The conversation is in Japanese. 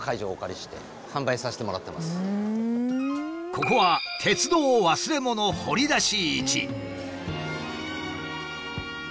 ここは鉄道忘れ物掘り出し市。